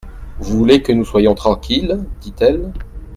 —«Vous voulez que nous soyons tranquilles,» dit-elle.